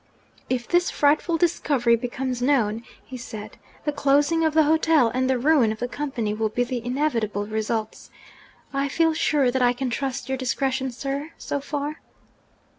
'If this frightful discovery becomes known,' he said, 'the closing of the hotel and the ruin of the Company will be the inevitable results. I feel sure that I can trust your discretion, sir, so far?'